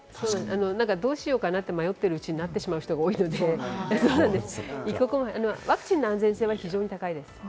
どうしようかなって迷ってるうちになってしまう人が多いので、一刻も早くワクチンの安全性は非常に高いです。